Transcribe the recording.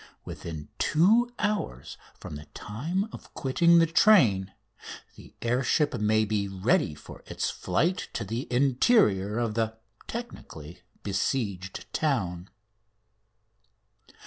Within two hours from the time of quitting the train the air ship may be ready for its flight to the interior of the technically besieged town.